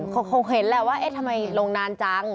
มันคงเห็นแหละว่าทำไมลงนานจัง